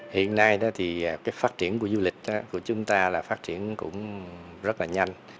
hiện nay phát triển của du lịch của chúng ta phát triển rất nhanh